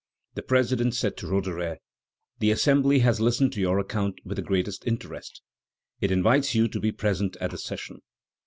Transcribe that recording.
The president said to Roederer: "The Assembly has listened to your account with the greatest interest; it invites you to be present at the session."